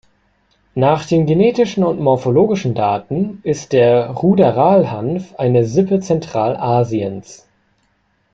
Nach den genetischen und morphologischen Daten ist der Ruderal-Hanf eine Sippe Zentralasiens.